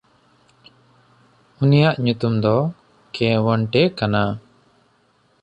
ᱩᱱᱤᱭᱟᱜ ᱧᱩᱛᱩᱢ ᱫᱚ ᱠᱮᱶᱚᱱᱴᱮ ᱠᱟᱱᱟ᱾